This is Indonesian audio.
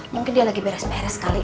mungkin dia lagi beres beres sekali